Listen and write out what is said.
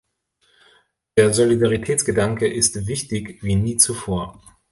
Der Solidaritätsgedanke ist wichtig wie nie zuvor.